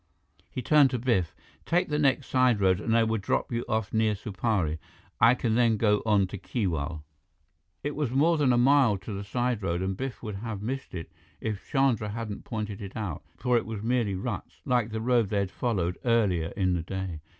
He turned to Biff. "Take the next side road, and I will drop you off near Supari. I can then go on to Keewal." It was more than a mile to the side road, and Biff would have missed it if Chandra hadn't pointed it out, for it was merely ruts, like the road they had followed earlier in the day.